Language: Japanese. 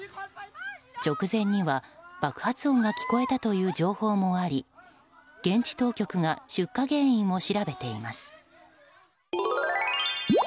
直前には爆発音が聞こえたという情報もあり現地当局が出火原因を調べています。